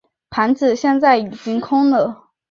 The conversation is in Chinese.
盘子现在已经空了。